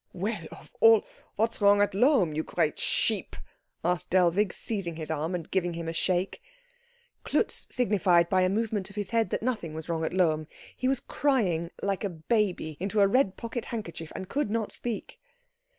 "Well of all what's wrong at Lohm, you great sheep?" asked Dellwig, seizing his arm and giving him a shake. Klutz signified by a movement of his head that nothing was wrong at Lohm. He was crying like a baby, into a red pocket handkerchief, and could not speak.